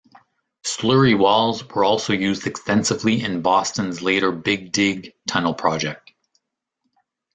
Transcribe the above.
Slurry walls were also used extensively in Boston's later Big Dig tunnel project.